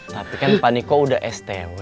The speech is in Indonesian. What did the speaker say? tapi kan pak niko udah stw